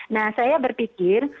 nah saya berpikir